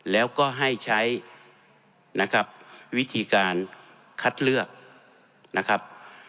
แล้วก็ให้ใช้นะครับวิธีการคัดเลือกนะครับ